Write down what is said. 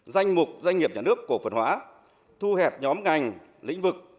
danh mục doanh nghiệp nhà nước cổ phần hóa thu hẹp nhóm ngành lĩnh vực